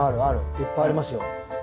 いっぱいありますよ。